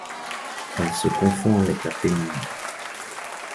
Elle se confond avec la pénombre.